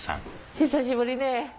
久しぶり。